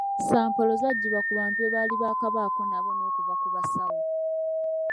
Sampolo zaggyibwa ku bantu be baali baakabaako nabo n'okuva ku basawo.